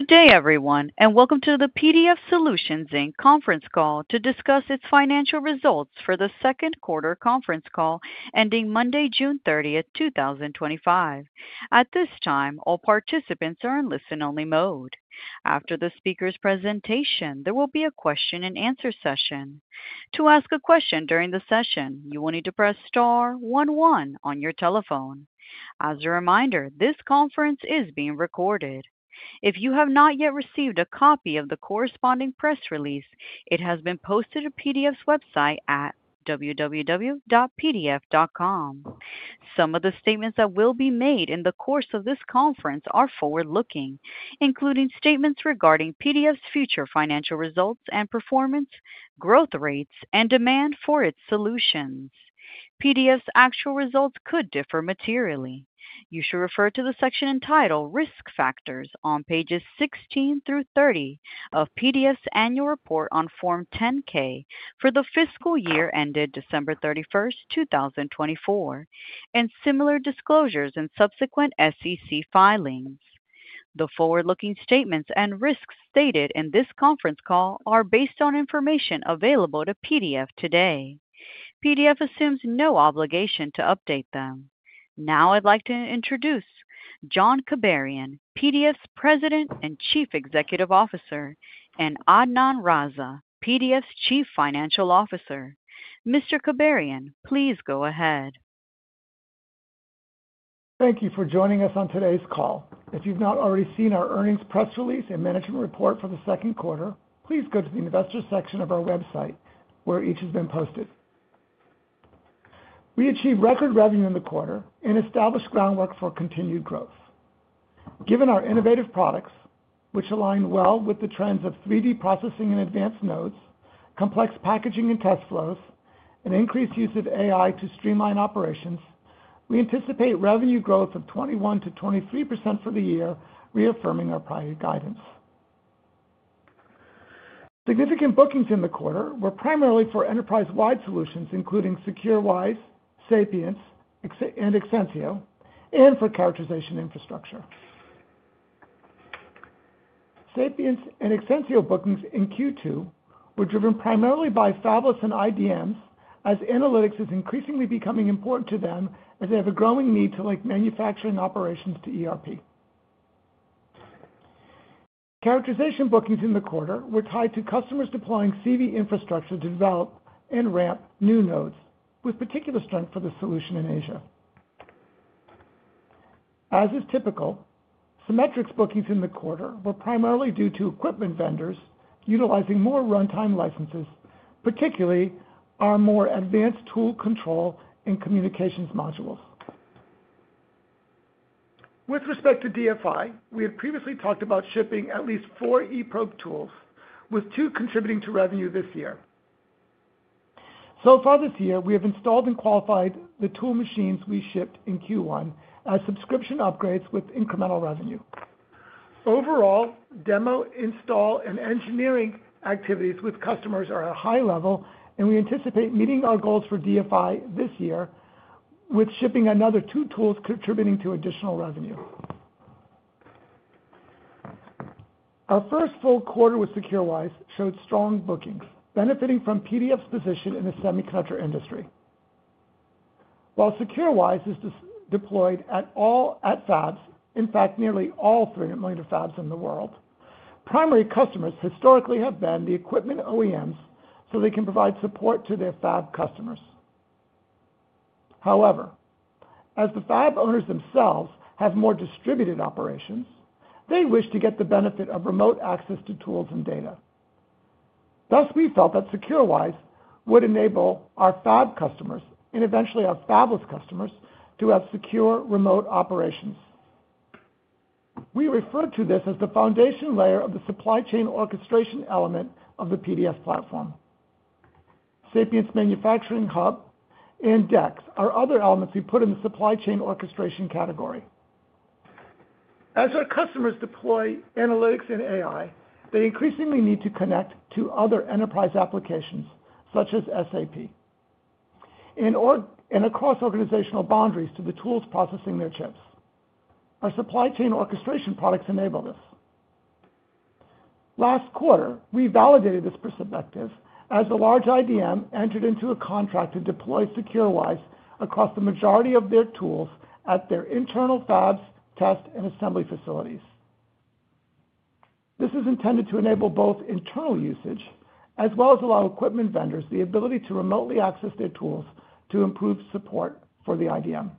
Good day everyone and welcome to the PDF Solutions, Inc Conference Call to Discuss Its Financial Results for the Second Quarter Conference Call Ending Monday, June 30th, 2025. At this time all participants are in listen-only mode. After the speaker's presentation, there will be a question and answer session. To ask a question during the session, you will need to press star one one on your telephone. As a reminder, this conference is being recorded. If you have not yet received a copy of the corresponding press release, it has been posted to PDF's website at www.pdf.com. Some of the statements that will be made in the course of this conference are forward-looking, including statements regarding PDF's future financial results and performance, growth rates, and demand for its solutions. PDF's actual results could differ materially. You should refer to the section entitled Risk Factors on pages 16-30 of PDF's Annual Report on Form 10-K for the fiscal year ended December 31st, 2024, and similar disclosures in subsequent SEC filings. The forward-looking statements and risks stated in this conference call are based on information available to PDF today. PDF assumes no obligation to update them. Now I'd like to introduce John Kibarian, PDF's President and Chief Executive Officer, and Adnan Raza, PDF's Chief Financial Officer. Mr. Kibarian, please go ahead. Thank you for joining us on today's call. If you've not already seen our earnings press release and management report for the second quarter, please go to the investors section of our website where each has been posted. We achieved record revenue in the quarter and established groundwork for continued growth given our innovative products which align well with the trends of 3D processing and advanced nodes, complex packaging and test flows, and increased use of AI to streamline operations. We anticipate revenue growth of 21%-23% for the year, reaffirming our prior guidance. Significant bookings in the quarter were primarily for enterprise-wide solutions including secureWISE, Sapience, and Exensio and for characterization infrastructure. Sapience and Exensio bookings in Q2 were driven primarily by fabless and IDMs as analytics is increasingly becoming important to them as they have a growing need to link manufacturing operations to ERP. Characterization bookings in the quarter were tied to customers deploying CV infrastructure to develop and ramp new nodes with particular strength for the solution in Asia. As is typical, Cimetrix bookings in the quarter were primarily due to equipment vendors utilizing more runtime licenses, particularly our more advanced tool control and communications modules. With respect to DFI, we had previously talked about shipping at least four eProbe tools with two contributing to revenue this year. So far this year we have installed and qualified the tool machines we shipped in Q1 as subscription upgrades with incremental revenue. Overall demo, install and engineering activities with customers are at a high level and we anticipate meeting our goals for DFI this year with shipping another two tools contributing to additional revenue. Our first full quarter with secureWISE showed strong bookings benefiting from PDF's position in the semiconductor industry, while secureWISE is deployed at all fabs. In fact, nearly all 3,000 fabs in the world, primary customers historically have been the equipment OEMs so they can provide support to their fab customers. However, as the fab owners themselves have more distributed operations, they wish to get the benefit of remote access to tools and data. Thus, we felt that secureWISE would enable our fab customers and eventually our fabless customers to have secure remote operations. We refer to this as the foundation layer of the supply chain orchestration element of the PDF platform. Sapience Manufacturing Hub and DEX are other elements we put in the supply chain orchestration category. As our customers deploy analytics and AI, they increasingly need to connect to other enterprise applications such as SAP and across organizational boundaries to the tools processing their chips. Our supply chain orchestration products enable this. Last quarter we validated this perspective as the large IDM entered into a contract to deploy secureWISE across the majority of their tools at their internal fabs, test and assembly facilities. This is intended to enable both internal usage as well as allow equipment vendors the ability to remotely access their tools to improve support for the IDM.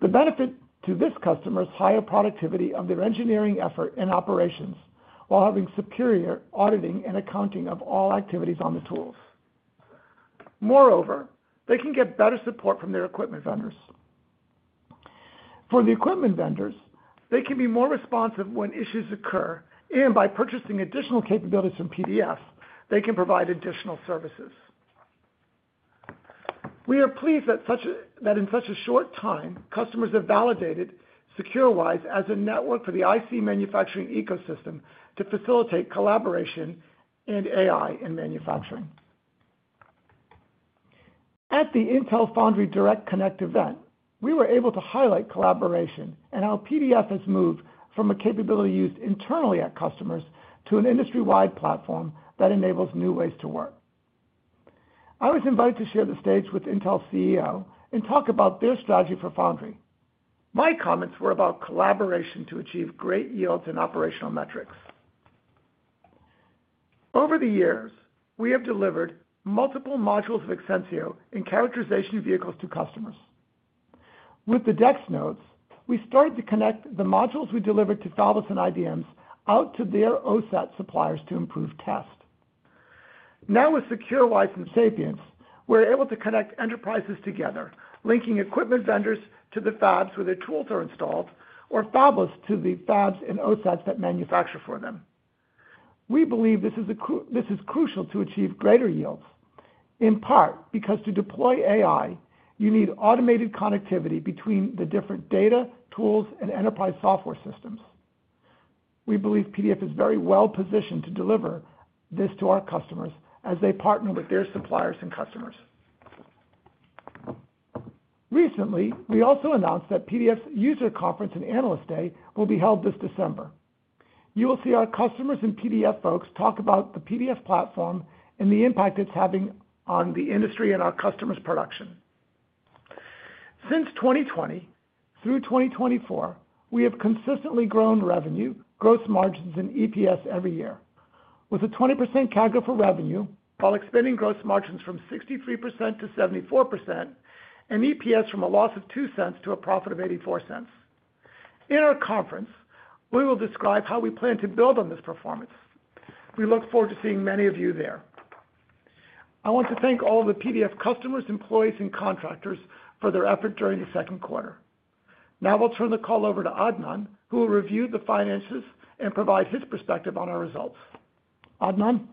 The benefit to this customer is higher productivity of their engineering effort and operations while having superior auditing and accounting of all activities on the tools. Moreover, they can get better support from their equipment vendors. For the equipment vendors, they can be more responsive when issues occur and by purchasing additional capabilities from PDF they can provide additional services. We are pleased that in such a short time customers have validated secureWISE as a network for the IC manufacturing ecosystem to facilitate collaboration and AI in manufacturing. At the Intel Foundry Direct Connect event, we were able to highlight collaboration and how PDF has moved from a capability used internally at customers to an industry-wide platform that enables new ways to work. I was invited to share the stage with Intel CEO and talk about their strategy for Foundry. My comments were about collaboration to achieve great yields and operational metrics. Over the years we have delivered multiple modules of Exensio in characterization vehicles to customers with the DEX nodes. We started to connect the modules we delivered to thousand IDMs out to their OSAT suppliers to improve test. Now with secure licensed Sapience, we're able to connect enterprises together, linking equipment vendors to the fabs where their tools are installed or fabless to the fabs and OSATs that manufacture for them. We believe this is crucial to achieve greater yields in part because to deploy AI you need automated connectivity between the different data tools and enterprise software systems. We believe PDF is very well positioned to deliver this to our customers as they partner with their suppliers and customers. Recently we also announced that PDF User Conference and Analyst Day will be held this December. You will see our customers and PDF folks talk about the PDF platform and the impact it's having on the industry and our customers' production. Since 2020 through 2024, we have consistently grown revenue, gross margins, and EPS every year with a 20% CAGR for revenue while expanding gross margins from 63% to 74% and EPS from a loss of $0.02 to a profit of $0.84. In our conference, we will describe how we plan to build on this performance. We look forward to seeing many of you there. I want to thank all the PDF customers, employees, and contractors for their effort during the second quarter. Now we'll turn the call over to Adnan, who will review the finances and provide his perspective on our results. Adnan.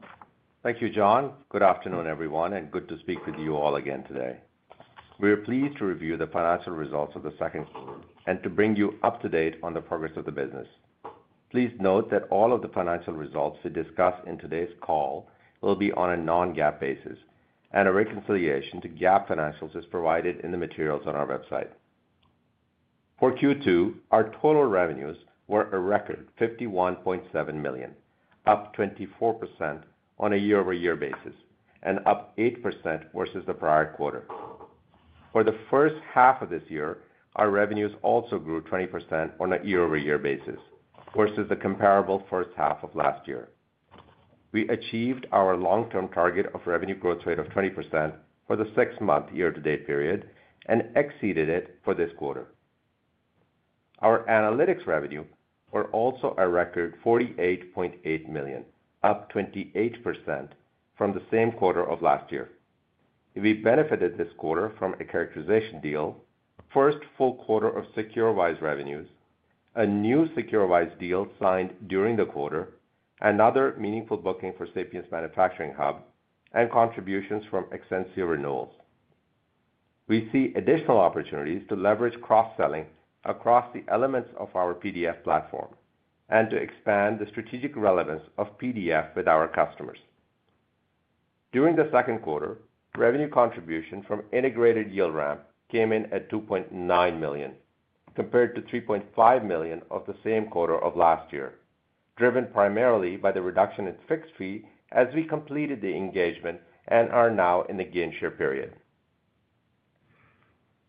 Thank you. John, good afternoon everyone and good to speak with you all again today. We are pleased to review the financial results of the second and to bring you up to date on the progress of the business. Please note that all of the financial results we discuss in today's call will be on a non-GAAP basis, and a reconciliation to GAAP financials is provided in the materials on our website. For Q2, our total revenues were a record $51.7 million, up 24% on a year-over-year basis and up 8% versus the prior quarter. For the first half of this year, our revenues also grew 20% on a year-over-year basis versus the comparable first half of last year. We achieved our long-term target of revenue growth rate of 20% for the six-month year-to-date period and exceeded it for this quarter. Our analytics revenue were also a record $48.8 million, up 28% from the same quarter of last year. We benefited this quarter from a characterization deal, first full quarter of secureWISE revenues, a new secureWISE deal signed during the quarter, another meaningful booking for Sapience Manufacturing Hub, and contributions from Exensio renewals. We see additional opportunities to leverage cross-selling across the elements of our PDF platform and to expand the strategic relevance of PDF with our customers. During the second quarter, revenue contribution from Integrated Yield ramp came in at $2.9 million compared to $3.5 million of the same quarter of last year, driven primarily by the reduction in fixed fee. As we completed the engagement and are now in the gain-share period,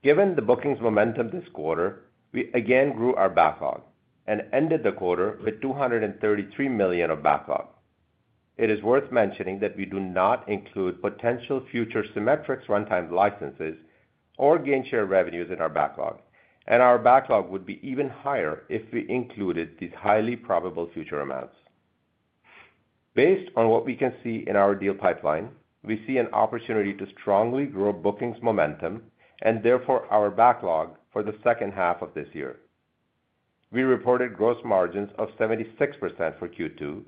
given the bookings momentum this quarter, we again grew our backlog and ended the quarter with $233 million of backlog. It is worth mentioning that we do not include potential future Cimetrix runtime licenses or gain-share revenues in our backlog, and our backlog would be even higher if we included these highly probable future amounts. Based on what we can see in our deal pipeline, we see an opportunity to strongly grow bookings momentum and therefore our backlog. For the second half of this year, we reported gross margins of 76% for Q2,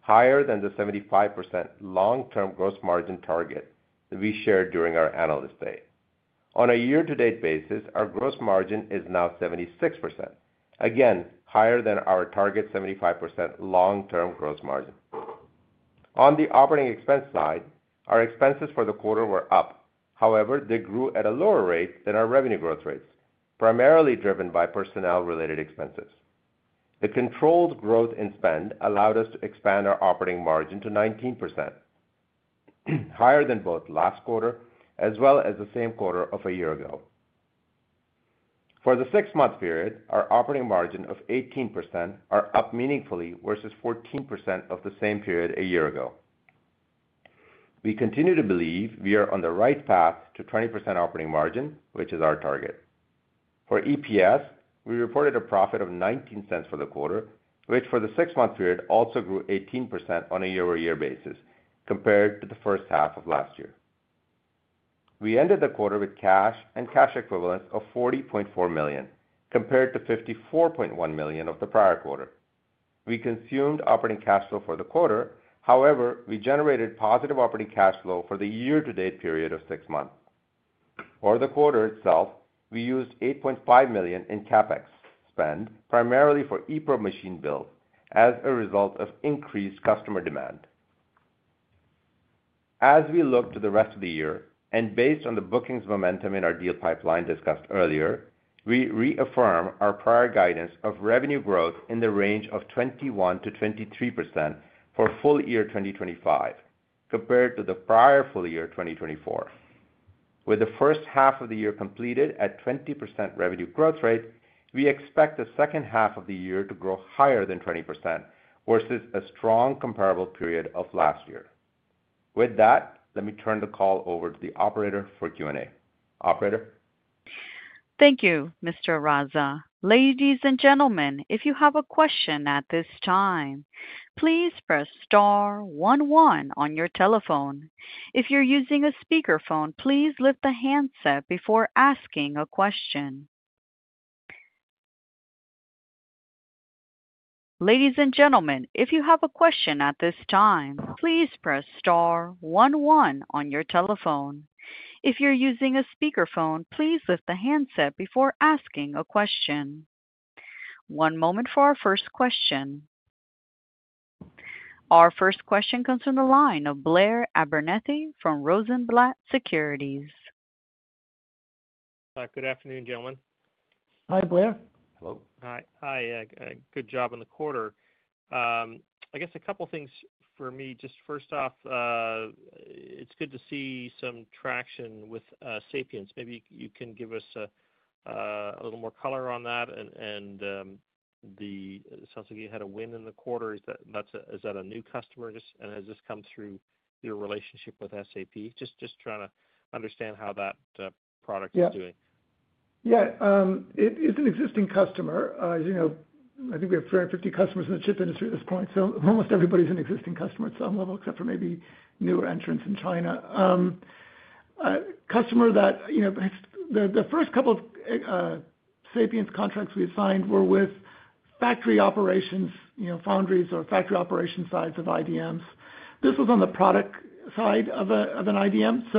higher than the 75% long-term gross margin target that we shared during our analyst day. On a year-to-date basis, our gross margin is now 76%, again higher than our target 75% long-term gross margin. On the operating expense side, our expenses for the quarter were up. However, they grew at a lower rate than our revenue growth rates, primarily driven by personnel-related expenses. The controlled growth in spend allowed us to expand our operating margin to 19%, higher than both last quarter as well as the same quarter of a year ago. For the six-month period, our operating margin of 18% is up meaningfully versus 14% of the same period a year ago. We continue to believe we are on the right path to 20% operating margin, which is our target. For EPS, we reported a profit of $0.19 for the quarter, which for the six-month period also grew 18% on a year-over-year basis compared to the first half of last year. We ended the quarter with cash and cash equivalents of $40.4 million compared to $54.1 million of the prior quarter. We consumed operating cash flow for the quarter, however, we generated positive operating cash flow for the year-to-date period of six months. For the quarter itself, we used $8.5 million in CapEx spend, primarily for eProbe machine builds as a result of increased customer demand. As we look to the rest of the year and based on the bookings momentum in our deal pipeline discussed earlier, we reaffirm our prior guidance of revenue growth in the range of 21%-23% for full year 2025 compared to the prior full year 2024. With the first half of the year completed at 20% revenue growth rate, we expect the second half of the year to grow higher than 20% versus a strong comparable period of last year. With that, let me turn the call over to the operator for Q&A. Operator. Thank you, Mr. Raza. Ladies and gentlemen, if you have a question at this time, please press star one one on your telephone. If you're using a speakerphone, please lift the handset before asking a question. One moment for our first question. Our first question comes from the line of Blair Abernethy from Rosenblatt Securities. Good afternoon, gentlemen. Hi, Blair. Hello. Hi. Good job on the quarter. I guess a couple things for me. First off, it's good to see some traction with Sapience. Maybe you can give us a little more color on that. It sounds like you had a win in the quarter. Is that a new customer? Has this come through your relationship with SAP? Just trying to understand how that product is doing. Yeah, it is an existing customer. I think we have 350 customers in the chip industry at this point, so almost everybody's an existing customer at some level, except for maybe newer entrants in China. Customer that, the first couple of Sapience contracts we signed were with factory operations, foundries or factory operations sides of IDMs. This was on the product side of an IDM.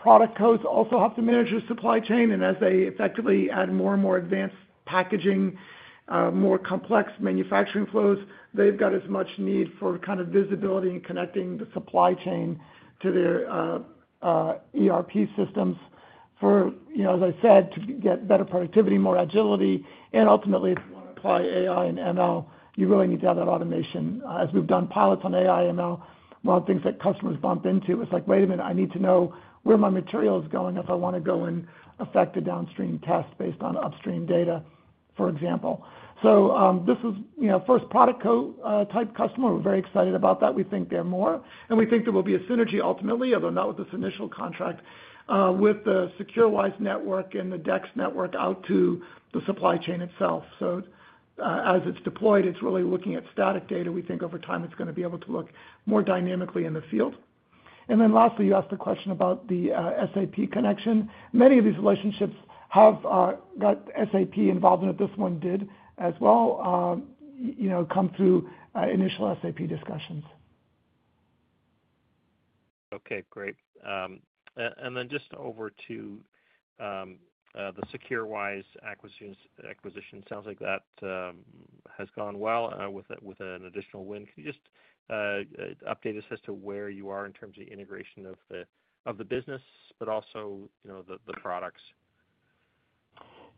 Product codes also have to manage their supply chain and as they effectively add more and more advanced packaging, more complex manufacturing flows, they've got as much need for kind of visibility and connecting the supply chain to their ERP systems for, as I said, to get better productivity, more agility and ultimately apply AI/ML, you really need to have that automation. As we've done pilots on AI/ML, one of the things that customers bump into, it's like, wait a minute, I need to know where my material is going if I want to go and affect a downstream test based on upstream data, for example. This is first product co type customer. We're very excited about that. We think there are more and we think there will be a synergy ultimately, although not with this initial contract with the secureWISE network and the DEX network out to the supply chain itself. As it's deployed, it's really looking at static data. We think over time it's going to be able to look more dynamically in the field. Lastly, you asked a question about the SAP connection. Many of these relationships have got SAP involved in it. This one did as well, come through initial SAP discussions. Okay, great. Just over to the secureWISE acquisition. Sounds like that has gone well with an additional win. Can you update us as to where you are in terms of integration of the business, but also, you know, the products?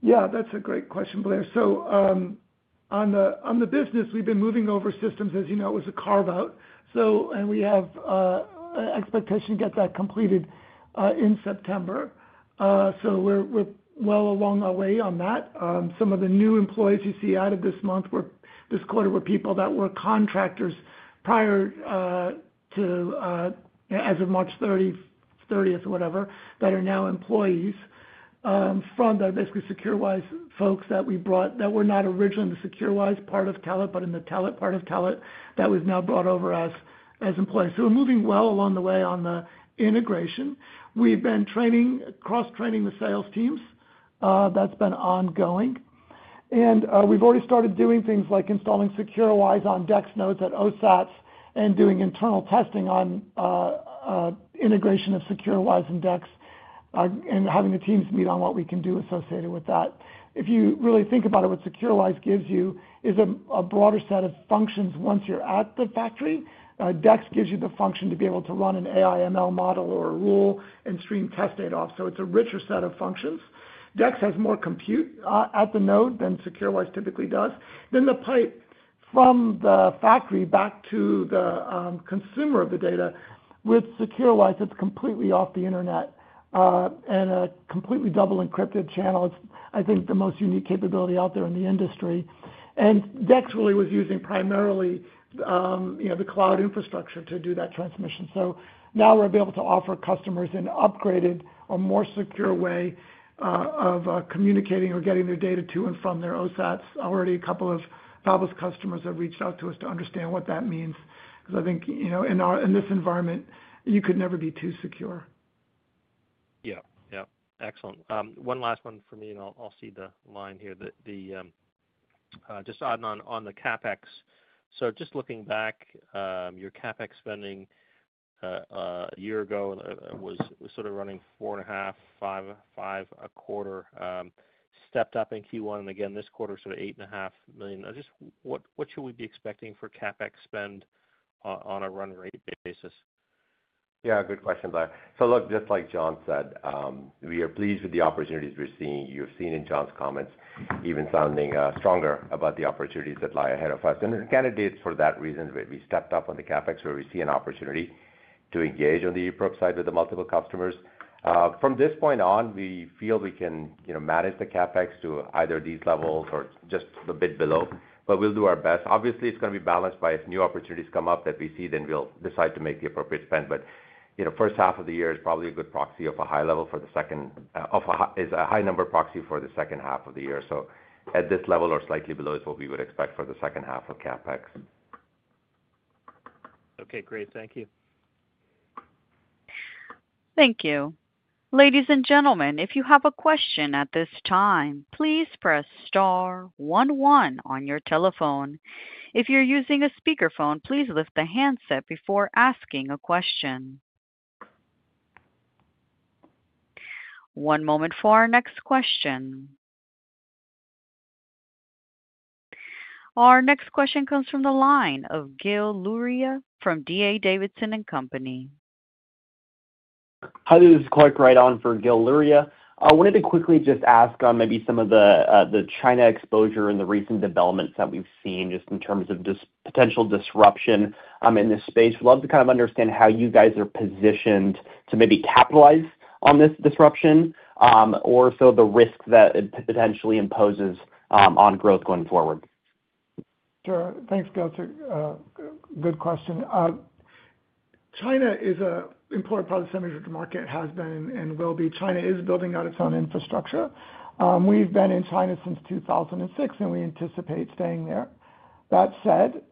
Yeah, that's a great question, Blair. On the business, we've been moving over systems as you know it was a carve out, and we have expectation to get that completed in September. We're well along our way on that. Some of the new employees you see added this quarter were people that were contractors prior to, as of March 30th or whatever, that are now employees from the basically secureWISE folks that we brought that were not originally in the secureWISE part of Telit but in the Telit part of Telit that was now brought over to us as employees. We're moving well along the way on the integration. We've been training, cross training the sales teams, that's been ongoing, and we've already started doing things like installing secureWISE on DEX nodes at OSATs and doing internal testing on integration of secureWISE and DEX and having the teams meet on what we can do associated with that. If you really think about it, what secureWISE gives you is a broader set of functions. Once you're at the factory, DEX gives you the function to be able to run an AI/ML model or a rule and stream test data off. It's a richer set of functions. DEX has more compute at the node than secureWISE typically does, then the pipe from the factory back to the consumer of the data. With secureWISE, it's completely off the internet and a completely double encrypted channel. It's, I think, the most unique capability out there in the industry. DEX really was using primarily, you know, the cloud infrastructure to do that transmission. Now we're able to offer customers an upgraded, a more secure way of communicating or getting their data to and from their OSATs. Already a couple of fabless customers have reached out to us to understand what that means because I think, you know, in this environment you could never be too secure. Excellent. One last one for me and I'll cede the line here, just adding on the CapEx. Just looking back, your CapEx spending a year ago was sort of running $4.5 million, $5 million, $5.25 million, stepped up in Q1 and again this quarter, sort of $8.5 million. Just what should we be expecting for CapEx spend on a run rate basis? Yeah, good question. Just like John said, we are pleased with the opportunities we're seeing. You've seen in John's comments even sounding stronger about the opportunities that lie ahead of us and candidates. For that reason, we stepped up on the CapEx where we see an opportunity to engage on the eProbe side with the multiple customers. From this point on, we feel we can manage the CapEx to either these levels or just a bit below. We'll do our best. Obviously, it's going to be balanced by as new opportunities come up that we see, then we'll decide to make the appropriate spend. The first half of the year is probably a good proxy of a high level. The second is a high number proxy for the second half of the year. At this level or slightly below is what we would expect for the second half of CapEx. Okay, great. Thank you. Thank you, ladies and gentlemen. If you have a question at this time, please press star one one on your telephone. If you're using a speakerphone, please lift the handset before asking a question. One moment for our next question. Our next question comes from the line of Gil Luria from D.A. Davidson Companies. Hi, this is Clark. Right on for Gil Luria. I wanted to quickly ask maybe. Some of the China exposure and the recent developments that we've seen just in terms of potential disruption in this space. I'd love to kind of understand how you guys are positioned to maybe capitalize on this disruption or the risk that potentially imposes on growth going forward. Thanks. Good question. China is an important part of the semi market, has been and will be. China is building out its own infrastructure. We've been in China since 2006 and we anticipate staying there. That said,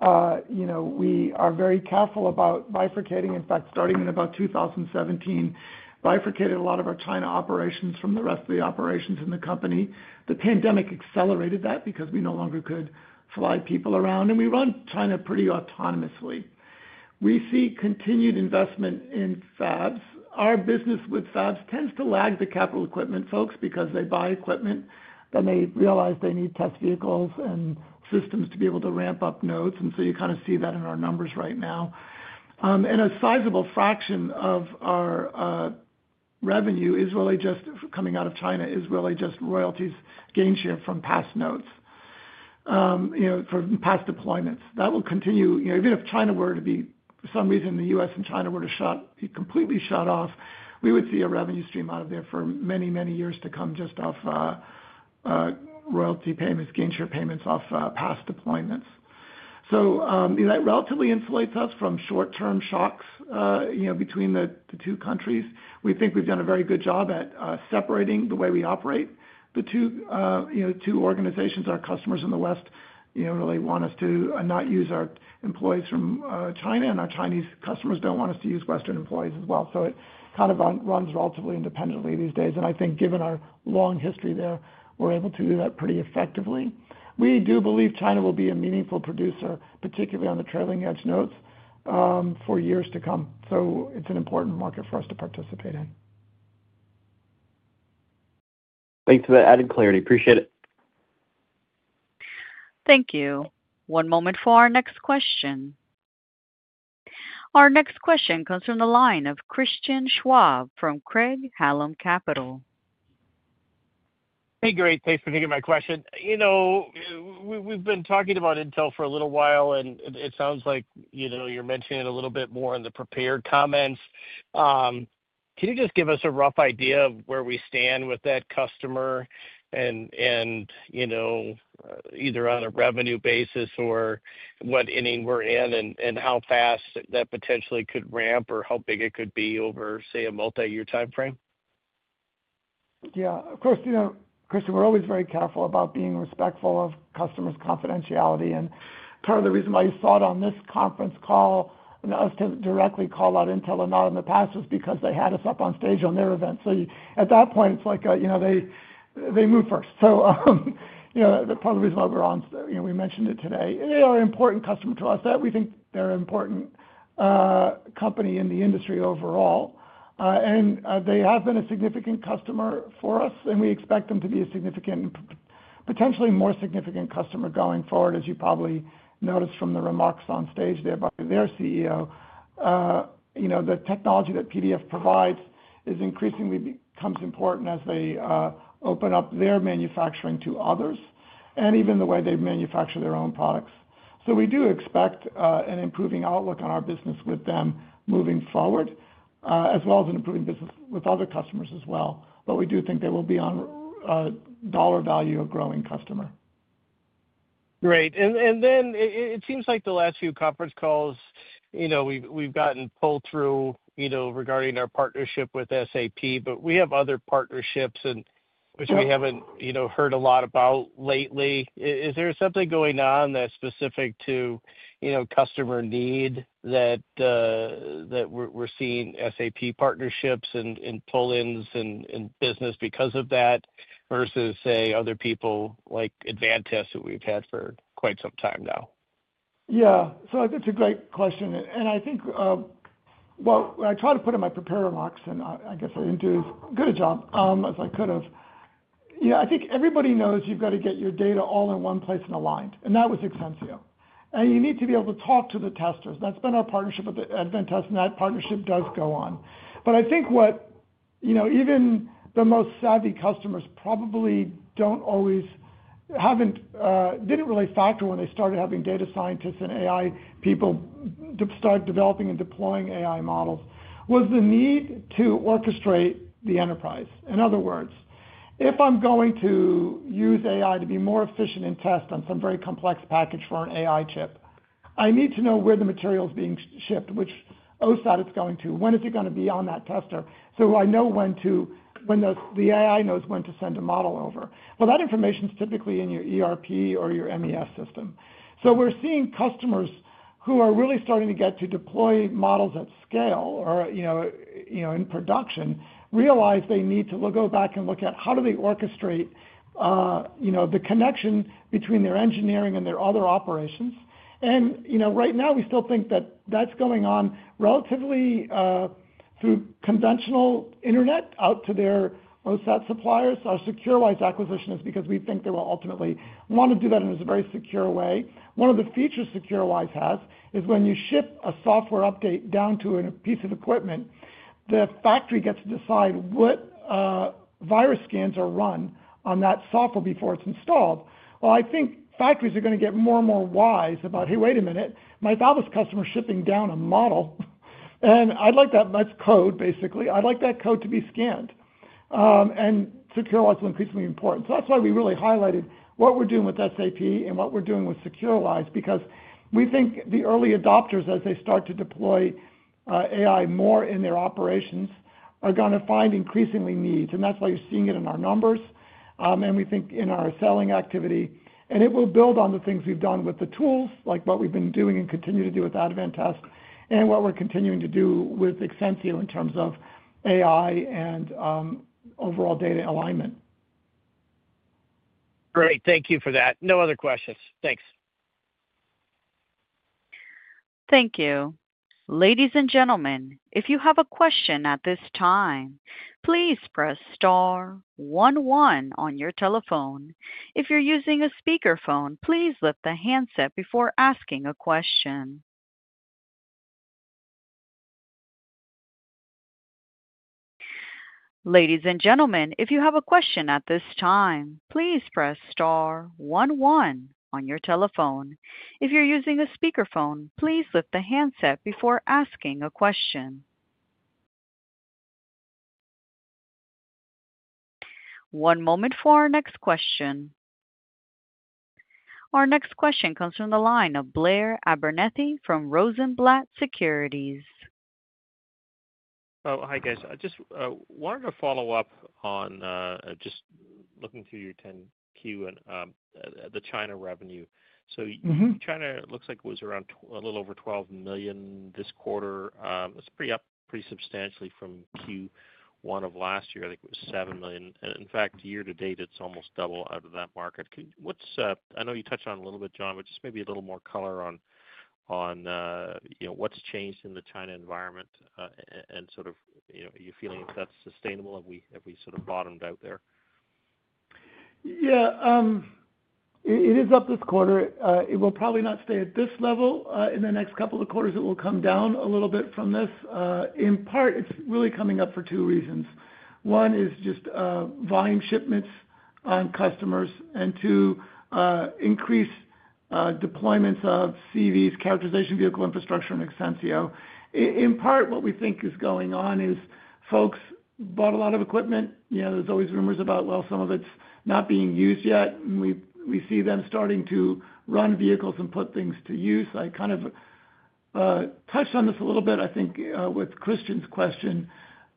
we are very careful about bifurcating. In fact, starting in about 2017, bifurcated a lot of our China operations from the rest of the operations in the company. The pandemic accelerated that because we no longer could fly people around and we run China pretty autonomously. We see continued investment in fabs. Our business with fabs tends to lag the capital equipment folks because they buy equipment, then they realize they need test vehicles and systems to be able to ramp up nodes. You kind of see that in our numbers right now, and a sizable fraction of our revenue is really just coming out of China, is really just royalties, gain share from past nodes, from past deployments that will continue even if China were to be, for some reason, the U.S. and China were to be completely shut off. We would see a revenue stream out of there for many, many years to come, just off royalty payments, gain share payments, off past deployments. That relatively insulates us from short term shocks between the two countries. We think we've done a very good job at separating the way we operate the two organizations. Our customers in the West really want us to not use our employees from China, and our Chinese customers don't want us to use Western employees as well. It kind of runs relatively independently these days, and I think given our long history there, we're able to do that pretty effectively. We do believe China will be a meaningful producer, particularly on the trailing edge nodes for years to come. It's an important market for us to participate in. Thanks for that added clarity. Appreciate it. Thank you. One moment for our next question. Our next question comes from the line of Christian Schwab from Craig-Hallum Capital. Hey, great, thanks for taking my question. We've been talking about Intel for a little while and it sounds like you're mentioning a little bit more in the prepared comments. Can you just give us a rough idea of where we stand with that customer, either on a revenue basis or what inning we're in and how fast that potentially could ramp or how big it could be over, say, a multi-year timeframe? Yeah, of course. You know, Chris, we're always very careful about being respectful of customers' confidentiality, and part of the reason why you saw it on this conference call us to directly call out Intel or not in the past is because they had us up on stage at their event. At that point, it's like, you know, they move first. Part of the reason why we're on, you know, we mentioned it today, they are an important customer to us. We think they're an important company in the industry overall, and they have been a significant customer for us, and we expect them to be a significant, potentially more significant customer going forward. As you probably noticed from the remarks on stage there by their CEO, the technology that PDF provides increasingly becomes important as they open up their manufacturing to others and even the way they manufacture their own products. We do expect an improving outlook on our business with them moving forward, as well as an improving business with other customers as well. We do think they will be, on dollar value, a growing customer. Great. It seems like the last few conference calls, we've gotten pull through regarding our partnership with SAP, but we have other partnerships which we haven't heard a lot about lately. Is there something going on that's specific to customer need that we're seeing SAP partnerships and pull ins and business because of that versus, say, other people like Advantest, who we've had for. Quite some time now. Yeah, that's a great question. I think, I tried to put in my preparer box and I guess I didn't do as good a job as I could have. I think everybody knows you've got to get your data all in one place and aligned and that was Exensio, and you need to be able to talk to the testers. That's been our partnership with Advantest, and that partnership does go on. I think what even the most savvy customers probably don't always, didn't really factor when they started having data scientists and AI people started developing and deploying AI models, was the need to orchestrate the enterprise. In other words, if I'm going to use AI to be more efficient in test on some very complex package for an AI chip, I need to know where the material is being shipped, which OSAT it's going to, when is it going to be on that tester. I know when the AI knows when to send a model over. That information is typically in your ERP or your MES system. We're seeing customers who are really starting to get to deploy models at scale or in production realize they need to go back and look at how do they orchestrate the connection between their engineering and their other operations. Right now we still think that that's going on relatively through conventional internet out to their OSAT suppliers. Our secureWISE acquisition is because we think they will ultimately want to do that in a very secure way. One of the features secureWISE has is when you ship a software update down to a piece of equipment, the factory gets to decide what virus scans are run on that software before it's installed. I think factories are going to get more and more wise about, hey, wait a minute, my fabless customer shipping down a model and I'd like that much code, basically I'd like that code to be scanned. secureWISE is increasingly important. That's why we really highlighted what we're doing with SAP and what we're doing with secureWISE. We think the early adopters, as they start to deploy AI more in their operations, are going to find increasing needs and that's why you're seeing it in our numbers and we think in our selling activity. It will build on the things we've done with the tools, like what we've been doing and continue to do with Advantest and what we're continuing to do with Exensio in terms of AI and overall data alignment. Great. Thank you for that. No other questions. Thanks. Thank you. Ladies and gentlemen, if you have a question at this time, please press star one one on your telephone. If you're using a speakerphone, please lift the handset before asking a question. One moment for our next question. Our next question comes from the line of Blair Abernethy from Rosenblatt Securities. Hi, guys. I just wanted to follow up on just looking through your 10-Q and the China revenue. China looks like it was around a little over $12 million this quarter. It's up pretty substantially from Q1 of last year. I think it was $7 million. In fact, year to date, it's almost double out of that market. I know you touched on a little bit, John, but just maybe a little more color on what's changed in the China environment and sort of. Are you feeling if that's sustainable? Have we sort of bottomed out there? Yeah, it is up this quarter. It will probably not stay at this level in the next couple of quarters. It will come down a little bit from this. In part, it's really coming up for two reasons. One is just volume shipments on customers and to increase deployments of CV characterization vehicle infrastructure and Exensio. In part, what we think is going on is folks bought a lot of equipment. You know, there's always rumors about, well, some of it's not being used yet. We see them starting to run vehicles and put things to use. I kind of touched on this a little bit. I think with Christian's question.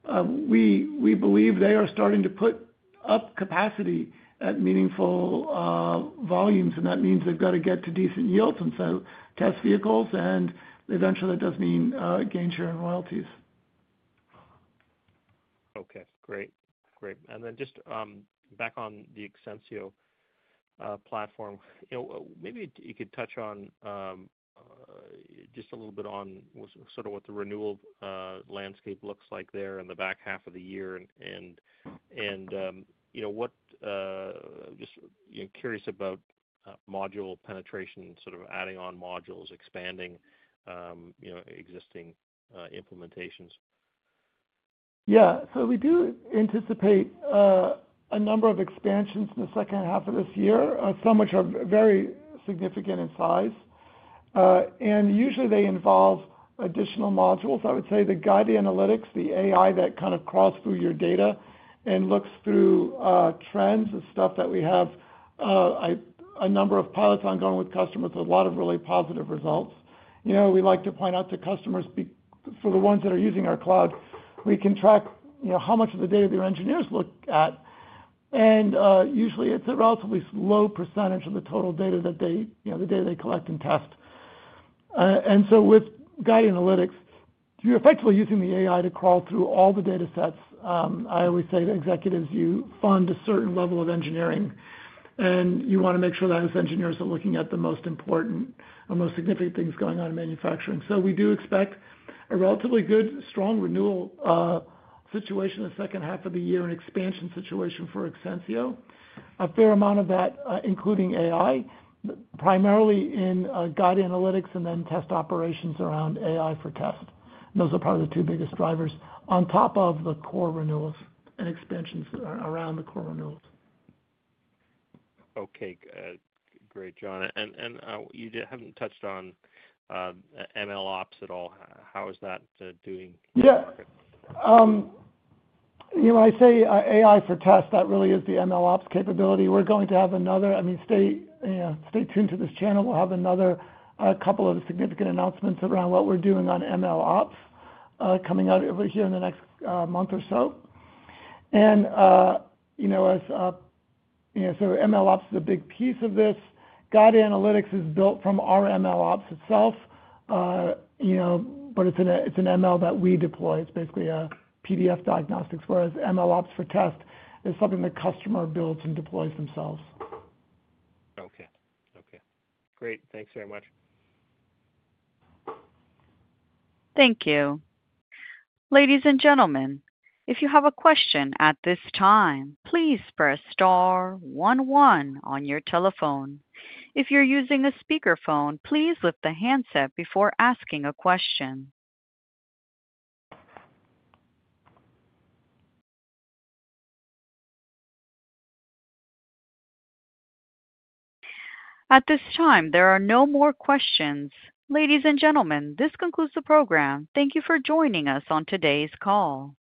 We believe they are starting to put up capacity at meaningful volumes. That means they've got to get to decent yields and test vehicles and eventually that does mean gain share in royalties. Okay, great, great. Just back on the Exensio platform, maybe you could touch on just a little bit on sort of what the renewal landscape looks like there in the back half of the year. You know what, just curious about module penetration, sort of adding on modules, expanding existing implementations. Yeah, we do anticipate a number of expansions in the second half of this year, some which are very significant in size and usually they involve additional modules. I would say the guide analytics, the AI that kind of cross through your data and looks through trends and stuff, we have a number of pilots ongoing with customers. A lot of really positive results. We like to point out to customers for the ones that are using our cloud, we can track how much of the data their engineers look at. Usually it's a relatively low percentage of the total data that they collect and test. With guide analytics, you're effectively using the AI to crawl through all the data sets. I always say to executives, you fund a certain level of engineering and you want to make sure that engineers are looking at the most important and most significant things going on in manufacturing. We do expect a relatively good, strong renewal situation the second half of the year, an expansion situation for Exensio, a fair amount of that, including AI primarily in guide analytics and then test operations around AI for test. Those are probably the two biggest drivers on top of the core renewals and expansions around the core renewals. Okay, great, John. You haven't touched on MLOps at all. How is that doing? I say AI for test. That really is the MLOps capability. Stay tuned to this channel. We'll have another couple of significant announcements around what we're doing on MLOps coming out over here in the next month or so. As you know, MLOps is a big piece of this. Guide analytics is built from our MLOps itself, but it's an ML that we deploy. It's basically a PDF diagnostics, whereas MLOps for test is something the customer builds and deploys themselves. Okay, great. Thanks very much. Thank you. Ladies and gentlemen, if you have a question at this time, please press star one one on your telephone. If you're using a speakerphone, please lift the handset before asking a question. At this time, there are no more questions. Ladies and gentlemen, this concludes the program. Thank you for joining us on today's call.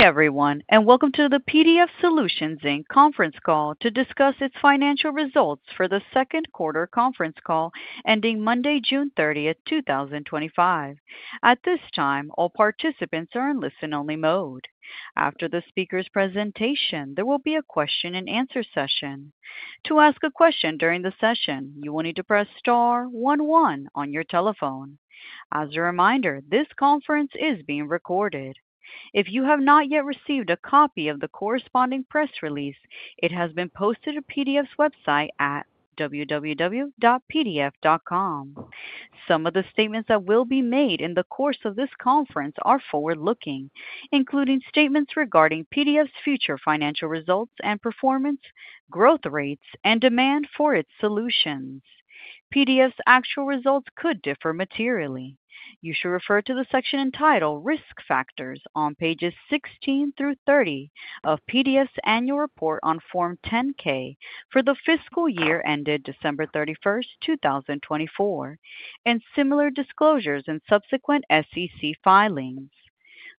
Good day, everyone, and welcome to the PDF Solutions, Inc Conference Call to Discuss Its Financial Results for the Second Quarter Conference Call Ending Monday, June 30th, 2025. At this time, all participants are in listen-only mode. After the speaker's presentation, there will be a question and answer session. To ask a question during the session, you will need to press star one one on your telephone. As a reminder, this conference is being recorded. If you have not yet received a copy of the corresponding press release, it has been posted to PDF's website at www.pdf.com. Some of the statements that will be made in the course of this conference are forward-looking, including statements regarding PDF's future financial results and performance, growth rates, and demand for its solutions. PDF's actual results could differ materially. You should refer to the section entitled Risk Factors on pages 16-30 of PDF's Annual Report on Form 10-K for the fiscal year ended December 31st, 2024, and similar disclosures in subsequent SEC filings.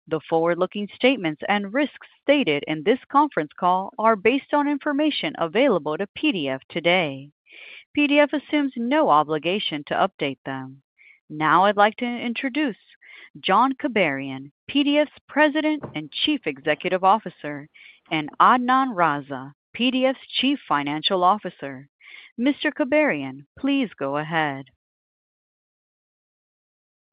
The forward-looking statements and risks stated in this conference call are based on information available to PDF today. PDF assumes no obligation to update them. Now I'd like to introduce John Kibarian, PDF's President and Chief Executive Officer, and Adnan Raza, PDF's Chief Financial Officer. Mr. Kibarian, please go ahead.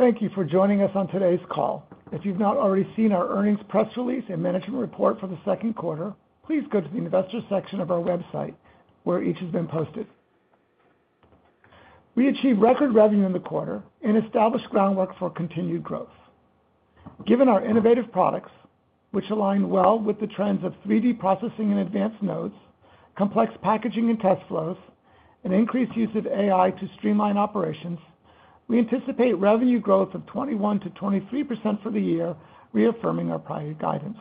Thank you for joining us on today's call. If you've not already seen our earnings press release and management report for the second quarter, please go to the Investors section of our website where each has been posted. We achieved record revenue in the quarter and established groundwork for continued growth. Given our innovative products which align well with the trends of 3D processing and advanced nodes, complex packaging and test flows, and increased use of AI to streamline operations, we anticipate revenue growth of 21%-23% for the year. Reaffirming our prior guidance,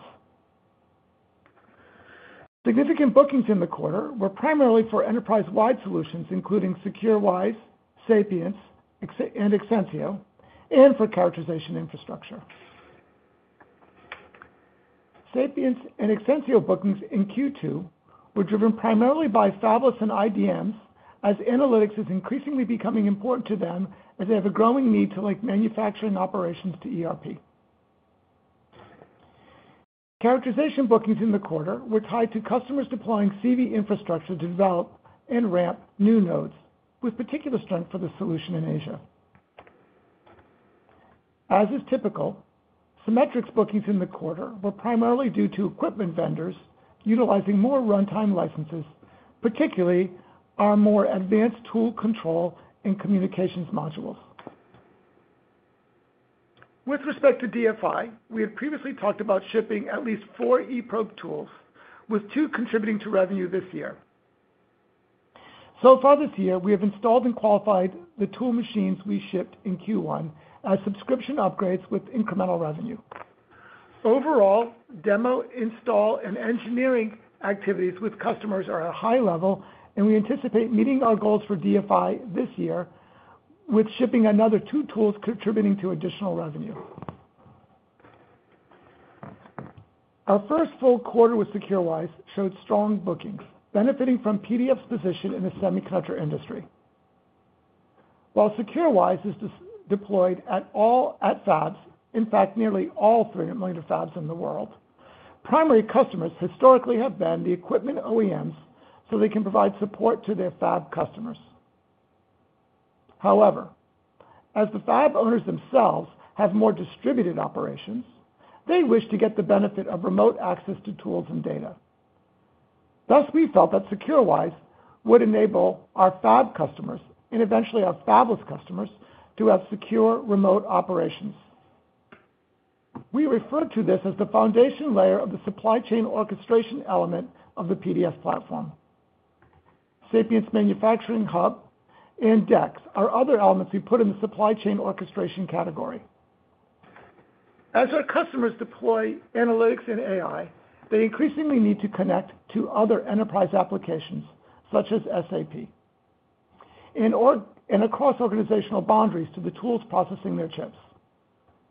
significant bookings in the quarter were primarily for enterprise-wide solutions including secureWISE, Sapience, and Exensio and for characterization infrastructure. Sapience and Exensio bookings in Q2 were driven primarily by fabless and IDMs as analytics is increasingly becoming important to them as they have a growing need to link manufacturing operations to ERP. Characterization bookings in the quarter were tied to customers deploying CV infrastructure to develop and ramp new nodes with particular strength for the solution in Asia. As is typical, Cimetrix bookings in the quarter were primarily due to equipment vendors utilizing more runtime licenses, particularly our more advanced tool control and communications module. With respect to DFI, we had previously talked about shipping at least four eProbe systems with two contributing to revenue this year. So far this year we have installed and qualified the tool machines we shipped in Q1 as subscription upgrades with incremental revenue. Overall demo install and engineering activities with customers are at a high level and we anticipate meeting our goals for DFI this year with shipping another two tools contributing to additional revenue. Our first full quarter with secureWISE showed strong bookings benefiting from PDF's position in the semiconductor industry, while secureWISE is deployed at all fabs. In fact, nearly all 3 million of fabs in the world, primary customers historically have been the equipment OEMs so they can provide support to their fab customers. However, as the fab owners themselves have more distributed operations, they wish to get the benefit of remote access to tools and data. Thus, we felt that secureWISE would enable our fab customers and eventually our fabless customers to have secure remote operations. We refer to this as the foundation layer of the supply chain orchestration element of the PDF platform. Sapience Manufacturing Hub and DEX are other elements we put in the supply chain orchestration category. As our customers deploy analytics and AI, they increasingly need to connect to other enterprise applications such as SAP and across organizational boundaries to the tools processing their chips.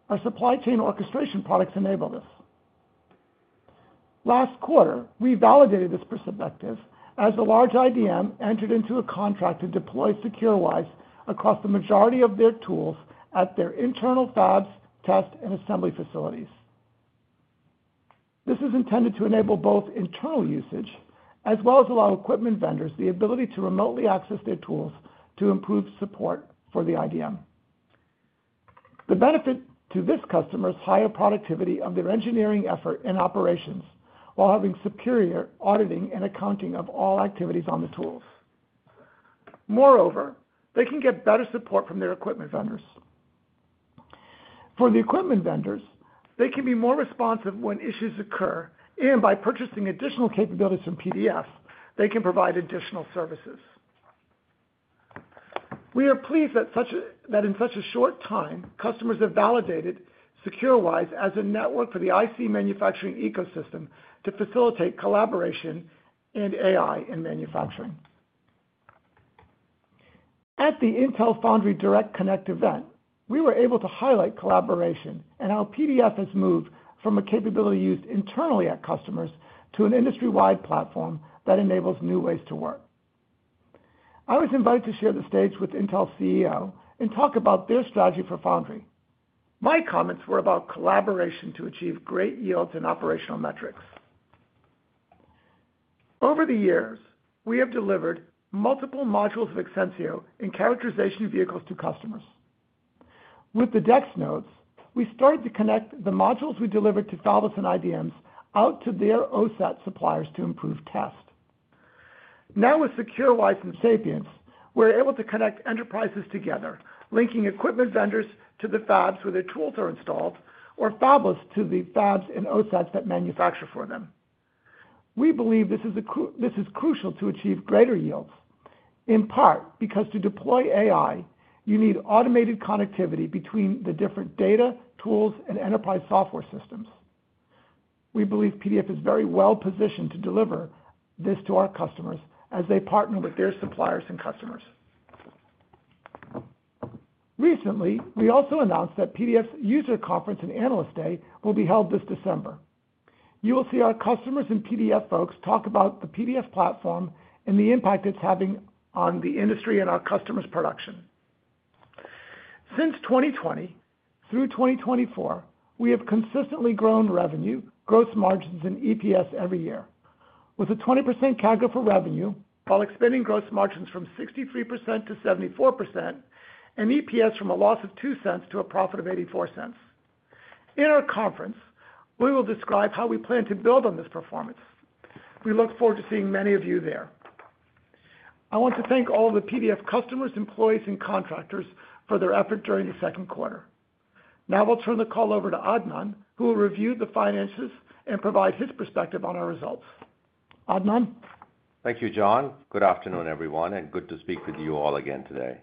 Our supply chain orchestration products enable this. Last quarter we validated this perspective as the large IDM entered into a contract to deploy secureWISE across the majority of their tools at their internal fabs, test and assembly facilities. This is intended to enable both internal usage as well as allow equipment vendors the ability to remotely access their tools to improve support for the IDM. The benefit to this customer is higher productivity of their engineering effort and operations while having superior auditing and accounting of all activities on the tools. Moreover, they can get better support from their equipment vendors. For the equipment vendors, they can be more responsive when issues occur, and by purchasing additional capabilities from PDF, they can provide additional services. We are pleased that in such a short time customers have validated secureWISE as a network for the IC manufacturing ecosystem to facilitate collaboration and AI in manufacturing. At the Intel Foundry Direct Connect event, we were able to highlight collaboration and how PDF has moved from a capability used internally at customers to an industry-wide platform that enables new ways to work. I was invited to share the stage with Intel CEO and talk about their strategy for Foundry. My comments were about collaboration to achieve great yields and operational metrics. Over the years we have delivered multiple modules of Exensio in characterization vehicles to customers. With the DEX nodes, we started to connect the modules we delivered to fabless and IDMs out to their OSAT suppliers to improve test. Now with secureWISE and Sapience, we're able to connect enterprises together, linking equipment vendors to the fabs where their tools are installed or fabless to the fabs and OSATs that manufacture for them. We believe this is crucial to achieve greater yields in part because to deploy AI you need automated connectivity between the different data tools and enterprise software systems. We believe PDF is very well positioned to deliver this to our customers as they partner with their suppliers and customers. Recently we also announced that PDF User Conference and Analyst Day will be held this December. You will see our customers and PDF folks talk about the PDF platform and the impact it's having on the industry and our customers' production. Since 2020 through 2024 we have consistently grown revenue, gross margins, and EPS every year with a 20% CAGR for revenue while expanding gross margins from 63% to 74% and EPS from a loss of $0.02 to a profit of $0.84. In our conference we will describe how we plan to build on this performance. We look forward to seeing many of you there. I want to thank all the PDF customers, employees, and contractors for their effort during the second quarter. Now we'll turn the call over to Adnan who will review the finances and provide his perspective on our results. Adnan. Thank you. John, good afternoon everyone and good to speak with you all again today.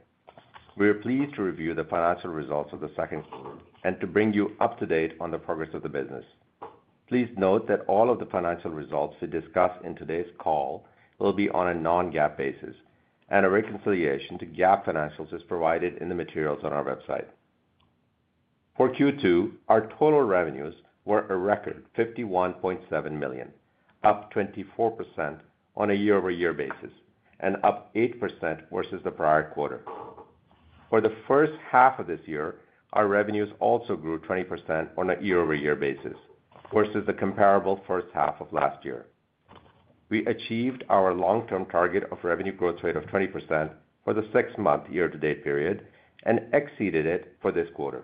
We are pleased to review the financial results of the second quarter and to bring you up to date on the progress of the business. Please note that all of the financial results we discuss in today's call will be on a non-GAAP basis, and a reconciliation to GAAP financials is provided in the materials on our website. For Q2, our total revenues were a record $51.7 million, up 24% on a year-over-year basis and up 8% versus the prior quarter. For the first half of this year, our revenues also grew 20% on a year-over-year basis versus the comparable first half of last year. We achieved our long-term target of revenue growth rate of 20% for the six-month year-to-date period and exceeded it for this quarter.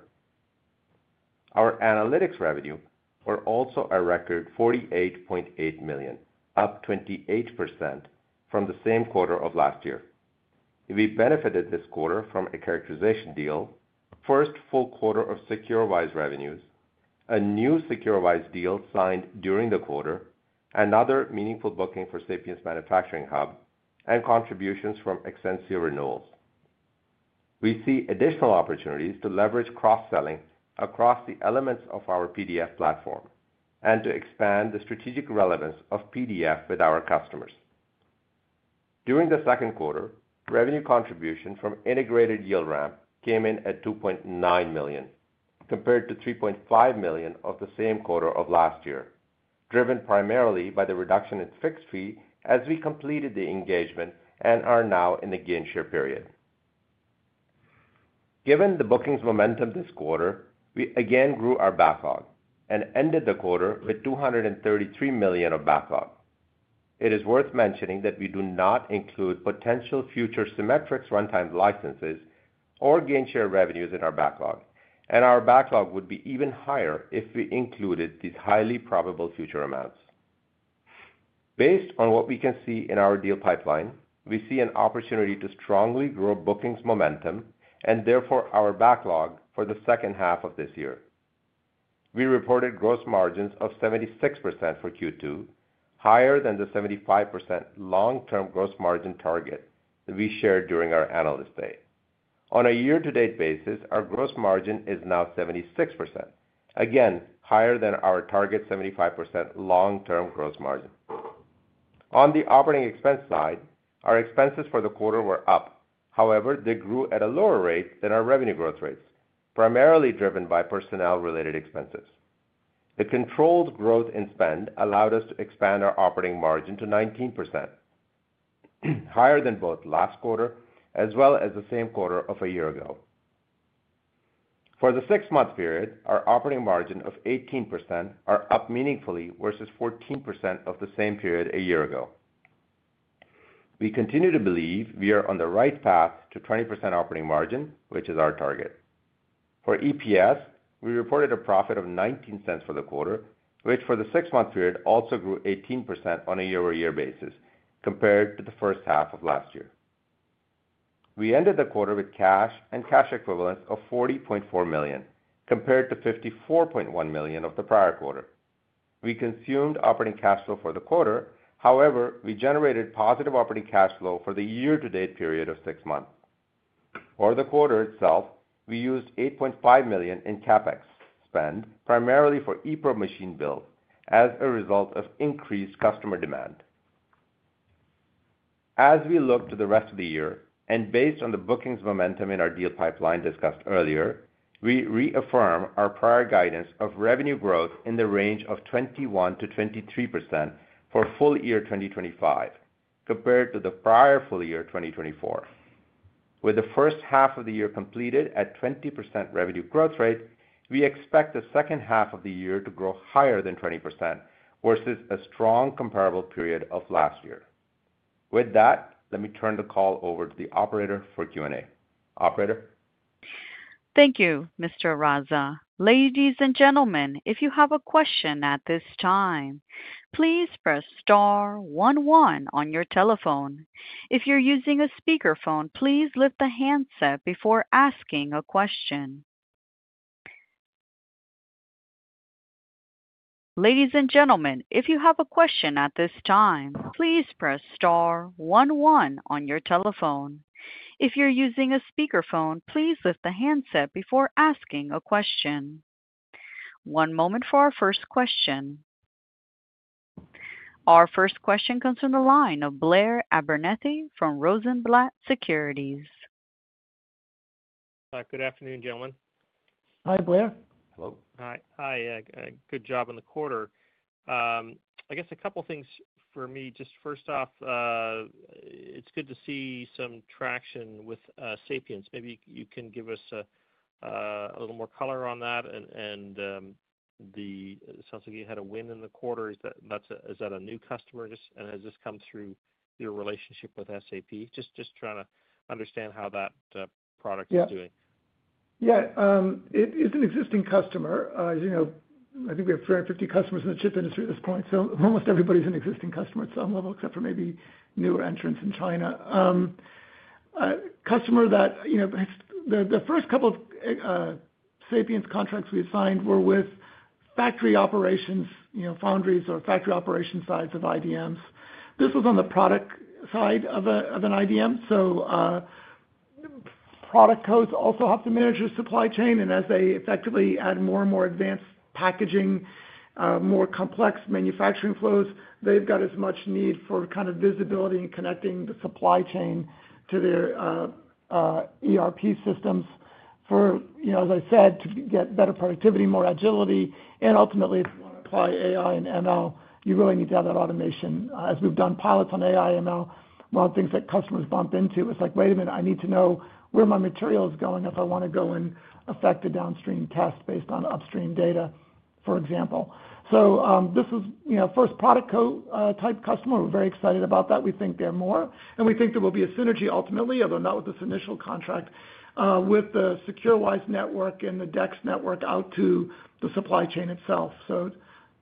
Our analytics revenue were also a record $48.8 million, up 28% from the same quarter of last year. We benefited this quarter from a characterization deal, first full quarter of secureWISE revenues, a new secureWISE deal signed during the quarter, another meaningful booking for Sapience Manufacturing Hub, and contributions from Exensio renewals. We see additional opportunities to leverage cross-selling across the elements of our PDF platform and to expand the strategic relevance of PDF with our customers. During the second quarter, revenue contribution from Integrated Yield ramp came in at $2.9 million compared to $3.5 million of the same quarter of last year, driven primarily by the reduction in fixed fee as we completed the engagement and are now in the gain-share period. Given the bookings momentum this quarter, we again grew our backlog and ended the quarter with $233 million of backlog. It is worth mentioning that we do not include potential future Cimetrix runtime licenses or gain-share revenues in our backlog, and our backlog would be even higher if we included these highly probable future amounts. Based on what we can see in our deal pipeline, we see an opportunity to strongly grow bookings momentum and therefore our backlog. For the second half of this year, we reported gross margins of 76% for Q2, higher than the 75% long-term gross margin target that we shared during our analyst day. On a year-to-date basis, our gross margin is now 76%, again higher than our target 75% long-term gross margin. On the operating expense side, our expenses for the quarter were up. However, they grew at a lower rate than our revenue growth rates, primarily driven by personnel-related expenses. The controlled growth in spend allowed us to expand our operating margin to 19%, higher than both last quarter as well as the same quarter of a year ago. For the six-month period, our operating margin of 18% is up meaningfully versus 14% of the same period a year ago. We continue to believe we are on the right path to 20% operating margin, which is our target. For EPS, we reported a profit of $0.19 for the quarter, which for the six-month period also grew 18% on a year-over-year basis. Compared to the first half of last year, we ended the quarter with cash and cash equivalents of $40.4 million compared to $54.1 million of the prior quarter. We consumed operating cash flow for the quarter, however, we generated positive operating cash flow for the year-to-date period of six months. For the quarter itself, we used $8.5 million in CapEx spend, primarily for eProbe machine build as a result of increased customer demand. As we look to the rest of the year and based on the bookings momentum in our deal pipeline discussed earlier, we reaffirm our prior guidance of revenue growth in the range of 21%-23% for full year 2025 compared to the prior full year 2024. With the first half of the year completed at 20% revenue growth rate, we expect the second half of the year to grow higher than 20% versus a strong comparable period of last year. With that, let me turn the call over to the operator for Q&A, operator. Thank you, Mr. Raza. Ladies and gentlemen, if you have a question at this time, please press star one one on your telephone. If you're using a speakerphone, please lift the handset before asking a question. Ladies and gentlemen, if you have a question at this time, please press star one one on your telephone. If you're using a speakerphone, please lift the handset before asking a question. One moment for our first question. Our first question comes from the line of Blair Abernethy from Rosenblatt Securities. Good afternoon, gentlemen. Hi, Blair. Hello. Hi. Hi. Good job on the quarter. I guess a couple things for me. First off, it's good to see some traction with Sapience. Maybe you can give us a little more color on that. It sounds like you had a win in the quarter. Is that a new customer, and has this come through your relationship with SAP? Just trying to understand how that product is doing. Yeah, it's an existing customer. As you know, I think we have 350 customers in the chip industry at this point. Almost everybody's an existing customer at some level, except for maybe newer entrants in China. Customer that, you know, the first couple of Sapience contracts we signed were with factory operations, foundries or factory operation sides of IDMs. This was on the product side of an IDM. Product cos also have to manage the supply chain and as they effectively add more and more advanced packaging, more complex manufacturing flows, they've got as much need for kind of visibility and connecting the supply chain to their ERP systems for, you know, as I said, to get better productivity, more agility and ultimately apply AI/ML, you really need to have that automation. As we've done pilots on AI/ML, things that customers bump into, it was like, wait a minute, I need to know where my material is going if I want to go and affect a downstream test based on upstream data, for example. This is, you know, first product co type customer. We're very excited about that. We think there are more. We think there will be a synergy ultimately, although not with this initial contract, with the secureWISE network and the DEX network out to the supply chain itself.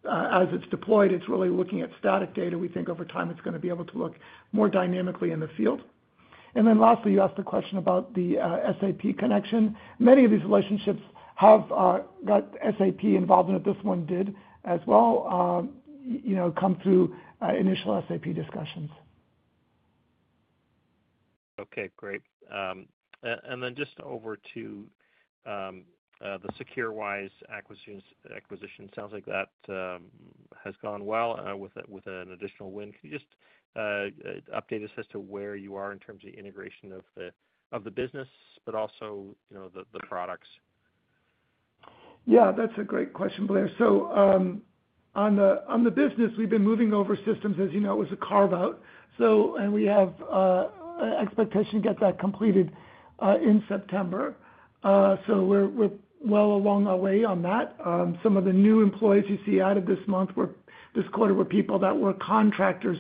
As it's deployed, it's really looking at static data. We think over time it's going to be able to look more dynamically in the field. Lastly, you asked a question about the SAP connection. Many of these relationships have got SAP involved in it. This one did as well, you know, come through initial SAP discussions. Okay, great. Just over to the secureWISE acquisition. It sounds like that has gone well with an additional win. Can you update us as to where you are in terms of integration of the business, but also the products? Yeah, that's a great question, Blair. On the business, we've been moving over systems as you know it was a carve out, and we have expectation to get that completed in September. We're well along our way on that. Some of the new employees you see added this quarter were people that were contractors